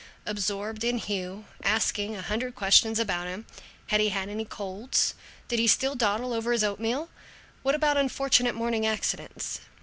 Absorbed in Hugh, asking a hundred questions about him had he had any colds? did he still dawdle over his oatmeal? what about unfortunate morning incidents?